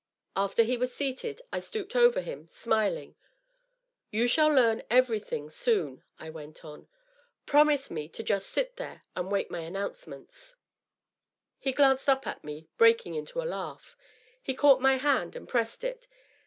After he was seated I stooped over him, smiling. " You shall learn every thing soon," I went on. " Promise me to just sit there and wait my announcements." 614 DOUGLAS DUANE. He glanced up at me, breaking into a laugh. He caught my hand and pressed it.